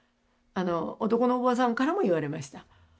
男のお坊さんからも言われました。